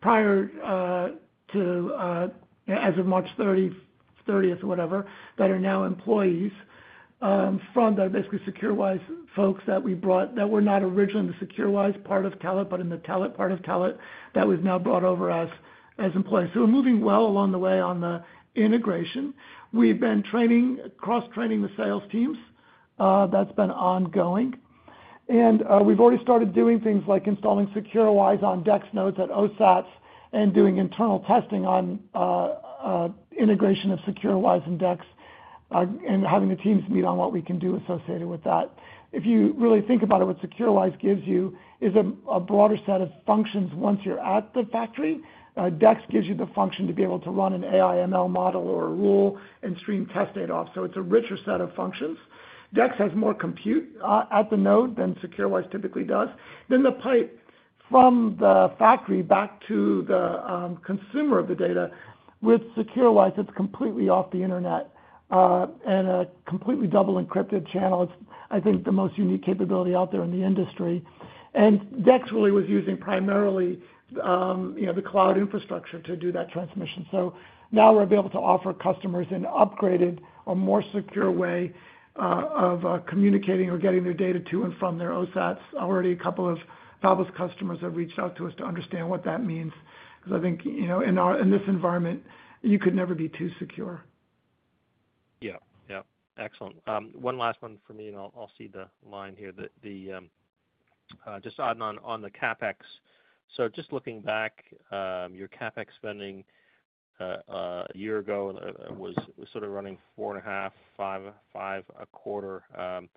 prior to, as of March 30th, that are now employees from the secureWISE folks that we brought that were not originally in the secureWISE part of Telit but in the Telit part of Telit that was now brought over as employees. We're moving well along the way on the integration. We've been training, cross training the sales teams, that's been ongoing, and we've already started doing things like installing secureWISE on DEX nodes at OSATs and doing internal testing on integration of secureWISE and DEX and having the teams meet on what we can do associated with that. If you really think about it, what secureWISE gives you is a broader set of functions. Once you're at the factory, DEX gives you the function to be able to run an AI/ML model or rule and stream test data, so it's a richer set of functions. DEX has more compute at the node than secureWISE typically does. Then the pipe from the factory back to the consumer of the data, with secureWISE it's completely off the internet and a completely double encrypted channel. I think the most unique capability out there in the industry. DEX really was using primarily the cloud infrastructure to do that transmission. Now we're able to offer customers an upgraded or more secure way of communicating or getting their data to and from their OSATs. Already a couple of fabless customers have reached out to us to understand what that means because I think, in this environment you could never be too secure. Yeah, excellent. One last one for me and I'll cede the line here regarding the deciding on the CapEx. Just looking back, your CapEx spending a year ago was sort of running $4.5 million, $5 million, $5.25 million,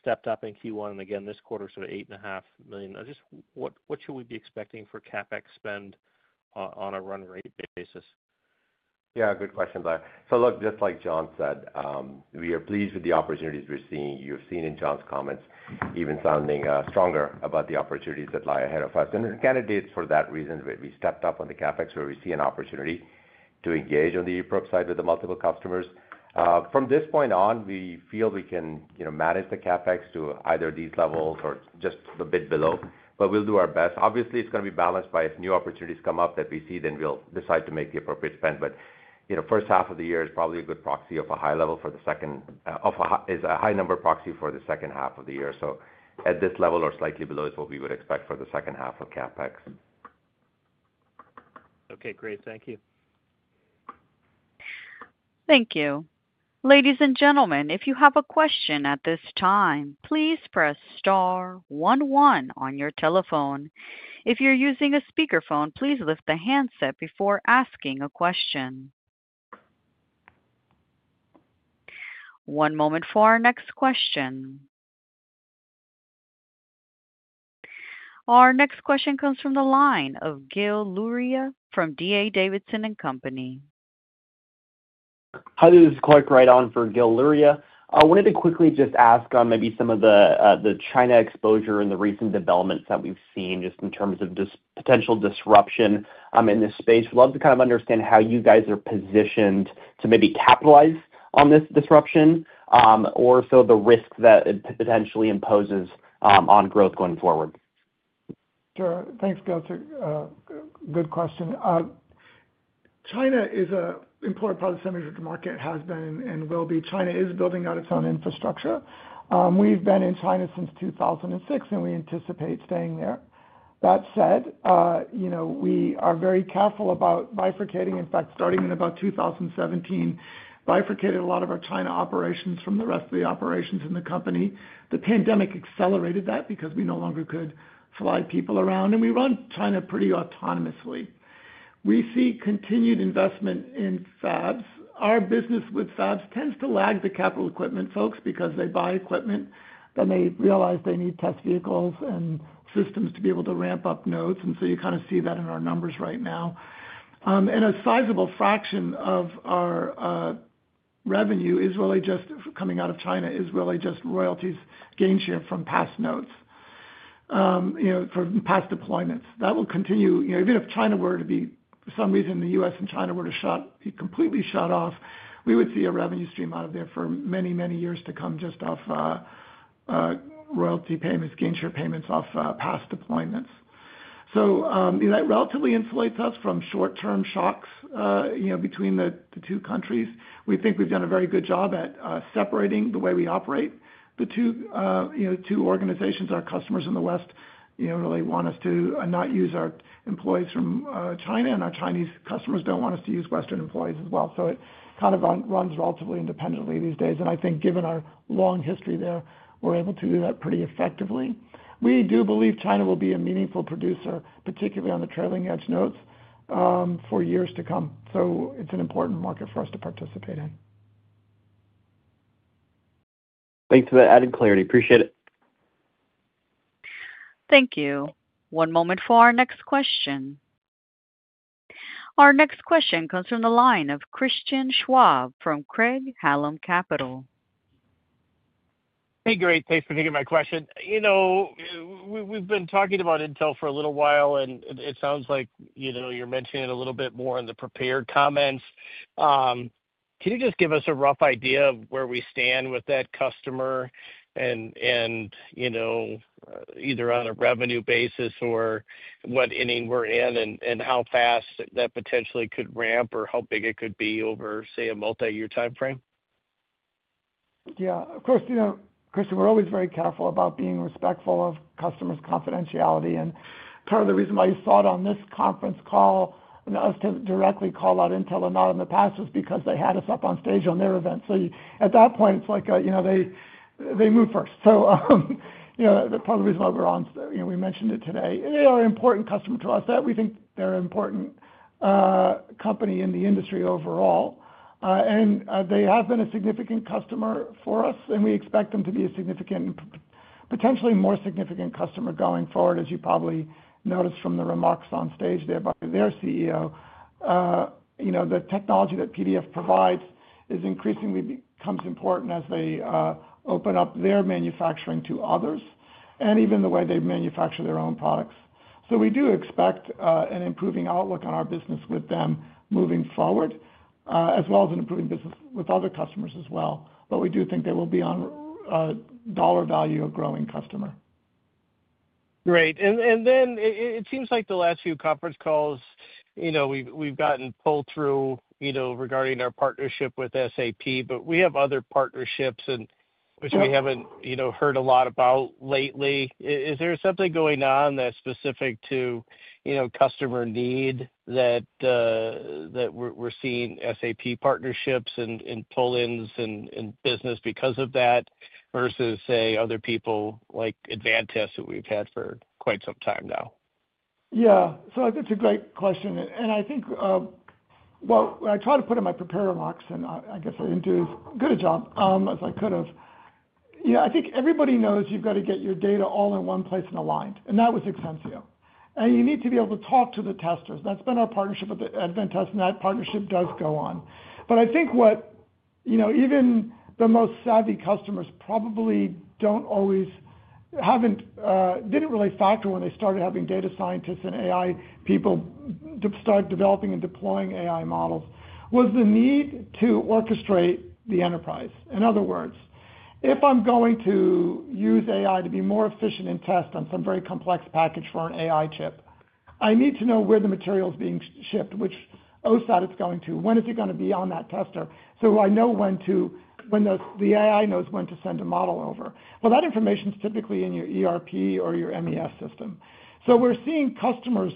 stepped up in Q1 and again this quarter, sort of $8.5 million. Just what should we be expecting for CapEx spend on a run rate basis? Yeah, good question there. Just like John said, we are pleased with the opportunities we're seeing. You've seen in John's comments even sounding stronger about the opportunities that lie ahead of us and candidates. For that reason, we stepped up on the CapEx where we see an opportunity to engage on the eProbe side with multiple customers. From this point on, we feel we can manage the CapEx to either these levels or just a bit below. We'll do our best. Obviously, it's going to be balanced by if new opportunities come up that we see, then we'll decide to make the appropriate spend. The first half of the year is probably a good proxy of a high level for the second, is a high number proxy for the second half of the year. At this level or slightly below is what we would expect for the second half of CapEx. Okay, great. Thank you. Thank you. Ladies and gentlemen, if you have a question at this time, please press star one one on your telephone. If you're using a speakerphone, please lift the handset before asking a question. One moment for our next question. Our next question comes from the line of Gil Luria from D.A. Davidson Companies. Hi, this is Clark, right on for Gil Luria. I wanted to quickly ask on. Maybe some of the China exposure and the recent developments that we've seen just in terms of this potential disruption in this space. I'd love to kind of understand how you guys are positioned to maybe capitalize on this disruption or the risk that it potentially imposes on growth going forward. Sure. Thanks, Clark. Good question. China is an important part of the semi market, has been and will be. China is building out its own infrastructure. We've been in China since 2006 and we anticipate staying there. That said, we are very careful about bifurcating. In fact, starting in about 2017, bifurcated a lot of our China operations from the rest of the operations in the company. The pandemic accelerated that because we no longer could fly people around and we run China pretty autonomously. We see continued investment in fabs. Our business with fabs tends to lag the capital equipment folks because they buy equipment, then they realize they need test vehicles and systems to be able to ramp up nodes. You kind of see that in our numbers right now. A sizable fraction of our revenue is really just coming out of China, is really just royalties, gain share from past nodes, from past deployments that will continue. Even if China were to be, for some reason, the U.S. and China were to be completely shut off, we would see a revenue stream out of there for many, many years to come just off royalty payments, gain share payments off past deployments. That relatively insulates us from short term shocks between the two countries. We think we've done a very good job at separating the way we operate the two organizations. Our customers in the West really want us to not use our employees from China and our Chinese customers don't want us to use Western employees as well. It kind of runs relatively independently these days and I think given our long history there, we're able to do that pretty effectively. We do believe China will be a meaningful producer, particularly on the trailing edge nodes for years to come. It's an important market for us to participate in. Thanks for that added clarity. Appreciate it. Thank you. One moment for our next question. Our next question comes from the line of Christian Schwab from Craig-Hallum Capital. Great, thanks for taking my question. We've been talking about Intel for a little while and it sounds like you're mentioning a little bit more in the prepared comments. Can you just give us a rough idea of where we stand with that customer, either on a revenue basis or what inning we're in and how fast that potentially could ramp or how big it could be over, say, a multi-year timeframe? Yeah, of course, you know Chris, we're always very careful about being respectful of customers' confidentiality, and part of the reason why you saw it on this conference call us to directly call out Intel or not in the past was because they had us up on stage at their event. At that point it's like, you know, they move first. The problem is what we're on, you know, we mentioned it today, they are an important customer to us, we think they're an important company in the industry overall, and they have been a significant customer for us, and we expect them to be a significant, potentially more significant customer going forward. As you probably noticed from the remarks on stage there by their CEO, the technology that PDF provides is increasingly comes important as they open up their manufacturing to others and even the way they manufacture their own products. We do expect an improving outlook on our business with them moving forward as well as an improving business with other customers as well. We do think they will be on dollar value a growing customer. Great. It seems like the last few conference calls, we've gotten pulled through regarding our partnership with SAP, but we have other partnerships which we haven't heard a lot about lately. Is there something going on that's specific to customer need that we're seeing SAP partnerships and pull-ins and business because of that versus, say, other people like Advantest who we've had for quite some time now? Yeah, that's a great question. I think, when I try to put in my preparer locks, I guess I didn't do as good a job as I could have. I think everybody knows you've got to get your data all in one place and aligned. That was Exensio and you need to be able to talk to the testers. That's been our partnership with Advantest and that partnership does go on. I think what even the most savvy customers probably didn't really factor when they started having data scientists and AI people start developing and deploying AI models was the need to orchestrate the enterprise. In other words, if I'm going to use AI to be more efficient in test on some very complex package for an AI chip, I need to know where the material is being shipped, which OSAT it's going to, when is it going to be on that tester. I know when the AI knows when to send a model over. That information is typically in your ERP or your MES system. We're seeing customers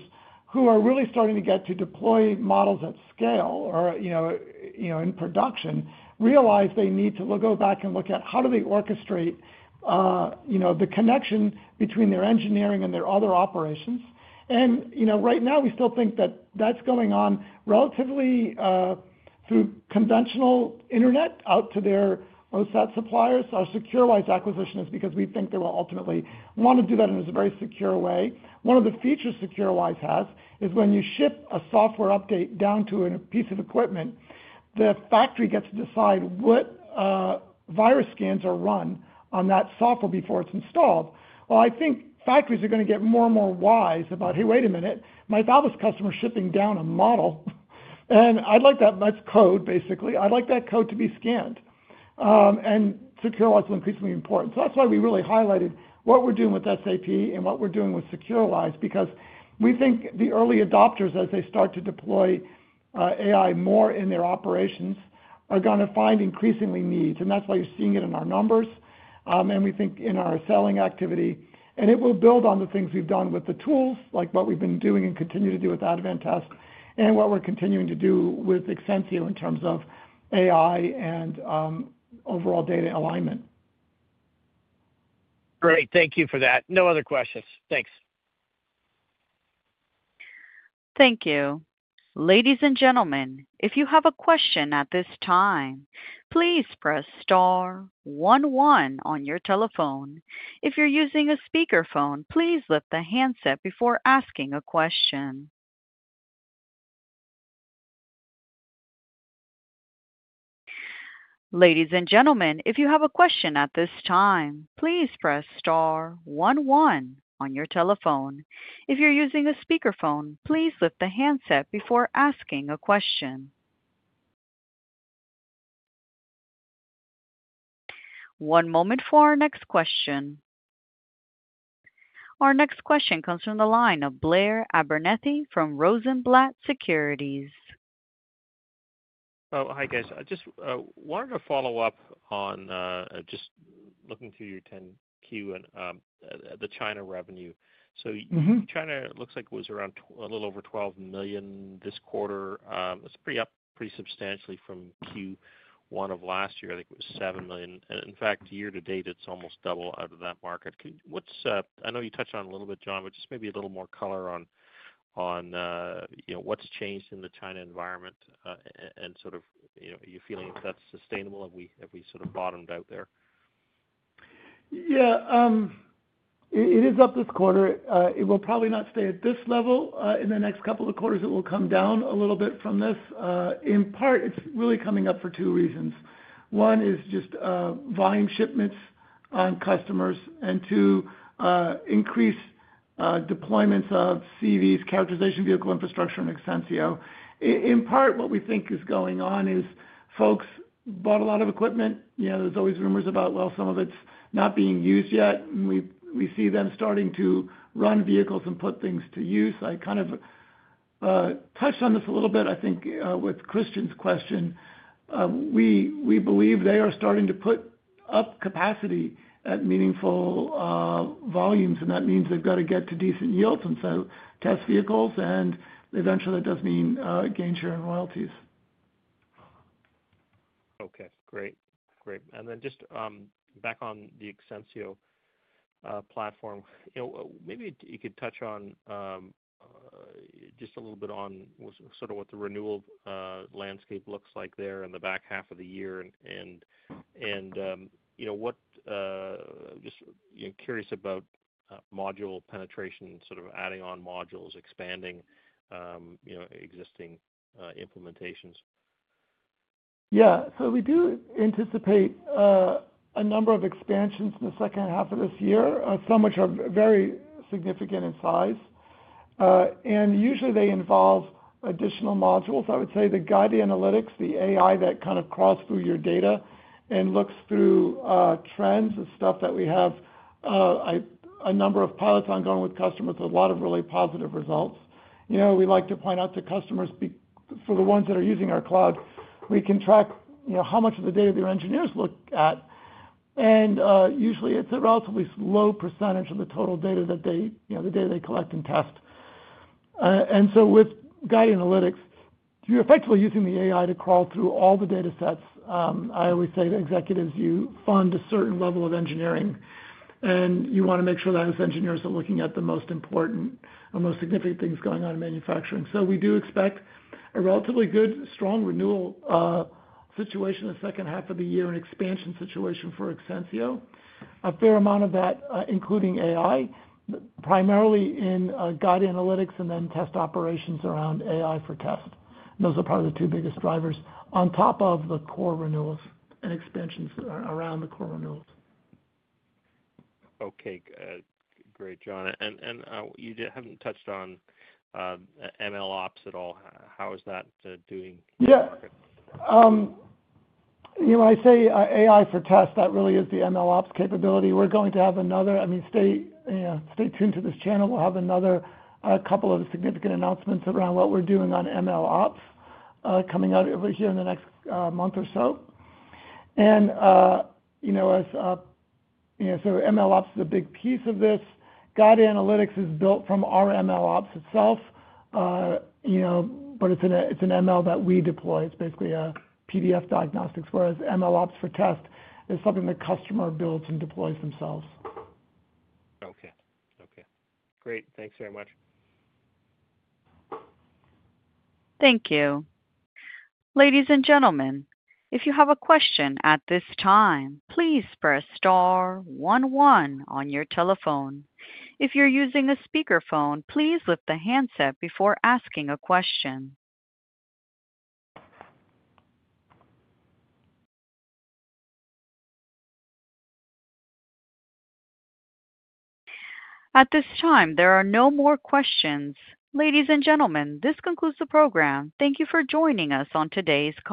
who are really starting to deploy models at scale or in production realize they need to go back and look at how do they orchestrate the connection between their engineering and their other operations. Right now we still think that that's going on relatively through conventional internet out to their OSAT suppliers. Our secureWISE acquisition is because we think they will ultimately want to do that in a very secure way. One of the features secureWISE has is when you ship a software update down to a piece of equipment, the factory gets to decide what virus scans are run on that software before it's installed. I think factories are going to get more and more wise about, hey, wait a minute, my fabless customer is shipping down a model and I'd like that much code, basically, I'd like that code to be scanned and secure. Increasingly important. That's why we really highlighted what we're doing with SAP and what we're doing with secureWISE because we think the early adopters, as they start to deploy AI more in their operations, are going to find increasing needs. That's why you're seeing it in our numbers and we think in our selling activity. It will build on the things we've done with the tools, like what we've been doing and continue to do with Advantest and what we're continuing to do with Exensio in terms of AI and overall data alignment. Great. Thank you for that. No other questions. Thanks. Thank you. Ladies and gentlemen, if you have a question at this time, please press star one one on your telephone. If you're using a speakerphone, please lift the handset before asking a question. One moment for our next question. Our next question comes from the line of Blair Abernethy from Rosenblatt Securities. Hi guys. I just wanted to follow up on just looking through your 10-Q and the China revenue. China looks like it was around a little over $12 million this quarter. That's up pretty substantially from Q1 of last year. I think it was $7 million. In fact, year to date, it's almost double out of that market. I know you touched on it a little bit, John, but just maybe a little more color on what's changed in the China environment and sort of are you feeling if that's sustainable? Have we sort of bottomed out there? Yeah, it is up this quarter. It will probably not stay at this level in the next couple of quarters. It will come down a little bit from this. In part, it's really coming up for two reasons. One is just volume shipments on customers and to increase deployments of CV characterization vehicle infrastructure and Exensio. In part, what we think is going on is folks bought a lot of equipment. You know, there's always rumors about, well, some of it's not being used yet. We see them starting to run vehicles and put things to use. I kind of touched on this a little bit. I think with Christian's question. We believe they are starting to put up capacity at meaningful volumes, and that means they've got to get to decent yields instead of test vehicles. Eventually, that does mean gain share in royalties. Okay, great, great. Just back on the Exensio platform, maybe you could touch on just a little bit on sort of what the renewal landscape looks like there in the back half of the year. I'm just curious about module penetration, sort of adding on modules, expanding existing implementations. Yeah, we do anticipate a number of expansions in the second half of this year, some which are very significant in size and usually they involve additional modules. I would say the guide analytics, the AI that kind of cross through your data and looks through trends and stuff, we have a number of pilots ongoing with customers. A lot of really positive results. We like to point out to customers for the ones that are using our cloud, we can track how much of the data their engineers look at. Usually it's a relatively low % of the total data that they collect and test. With guide analytics, you're effectively using the AI to crawl through all the data sets. I always say to executives, you fund a certain level of engineering and you want to make sure those engineers are looking at the most important or most significant things going on in manufacturing. We do expect a relatively good, strong renewal situation the second half of the year, an expansion situation for Exensio, a fair amount of that, including AI, primarily in guide analytics, and then test operations around AI for casual. Those are probably the two biggest drivers on top of the core renewals and expansions around the core renewals. Okay, great, John. You haven't touched on MLOps at all. How is that doing? I say AI for test. That really is the MLOps capability. Stay tuned to this channel. We'll have a couple of significant announcements around what we're doing on MLOps coming out over here in the next month or so. As you know, MLOps is a big piece of this. Guide analytics is built from our MLOps itself, but it's an ML that we deploy. It's basically a PDF diagnostics, whereas MLOps for test is something the customer builds and deploys themselves. Okay, great. Thanks very much. Thank you. Ladies and gentlemen, if you have a question at this time, please press star one one on your telephone. If you're using a speakerphone, please lift the handset before asking a question. At this time, there are no more questions. Ladies and gentlemen, this concludes the program. Thank you for joining us on today's call.